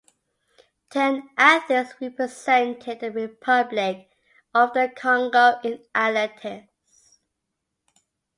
Ten athletes represented Republic of the Congo in athletics.